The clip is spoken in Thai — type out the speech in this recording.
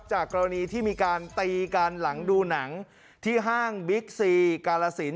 กรณีที่มีการตีกันหลังดูหนังที่ห้างบิ๊กซีกาลสิน